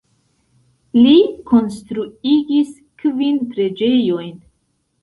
Li konstruigis kvin preĝejojn.